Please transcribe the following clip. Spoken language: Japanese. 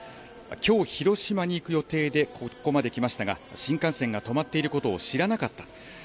きょう、広島に行く予定でここまで来ましたが、新幹線が止まっていることを知らなかった。